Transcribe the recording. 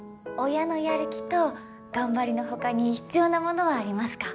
親のやる気と頑張りのほかに必要なものはありますか？